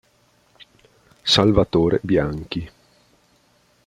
Salvatore Bianchi